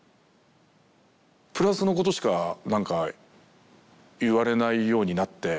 プラスのことしかなんか言われないようになって。